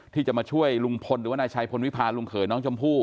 ที่จะมาช่วยลุงพลในกานฯพลวิพาะลุงเผื่อน้องชมภู